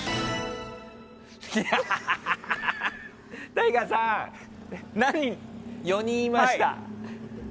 ＴＡＩＧＡさん、４人いました。